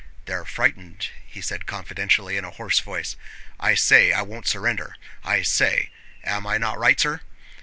"They're frightened," he said confidentially in a hoarse voice. "I say I won't surrender, I say... Am I not right, sir?"